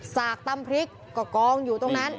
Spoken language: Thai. สากตำพริกก็กองอยู่ตรงนั้น